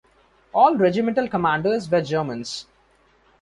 All regimental commanders were Germans.